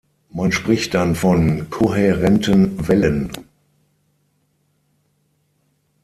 Man spricht dann von kohärenten Wellen.